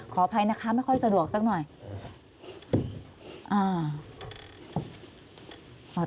ขออภัยนะคะไม่ค่อยสะดวกสักหน่อย